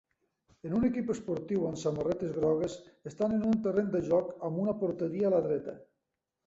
Un equip esportiu amb samarretes grogues estan en un terreny de joc amb una porteria a la dreta.